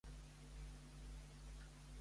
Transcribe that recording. Va poder complir el seu objectiu, doncs?